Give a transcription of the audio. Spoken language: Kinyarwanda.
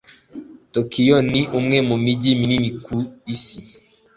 Tokiyo ni umwe mu mijyi minini ku isi.